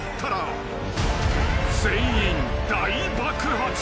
［全員大爆発］